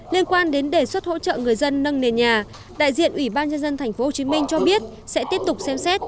liên quan đến đề xuất hỗ trợ người dân nâng nền nhà đại diện ủy ban nhân dân tp hcm cho biết sẽ tiếp tục xem xét